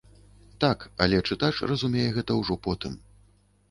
Так, але чытач разумее гэта ўжо потым.